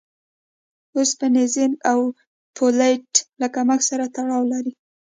اوسپنې، زېنک او فولېټ له کمښت سره تړاو لري.